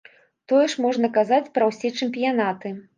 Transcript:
Тое ж можна казаць пра ўсе чэмпіянаты.